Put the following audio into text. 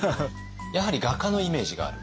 やはり画家のイメージがある？